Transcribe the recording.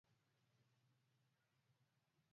matano ya Hispania na matano ya ligi kuu ya Hungary